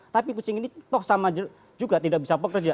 tapi kucing ini toh sama juga tidak bisa bekerja